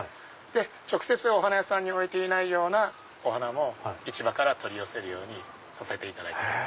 直接お花屋さんに置いていないようなお花も市場から取り寄せるようにしてます。